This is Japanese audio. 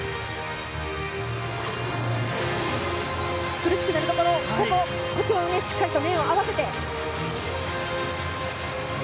苦しくなるところをいつものようにしっかりと面を合わせて。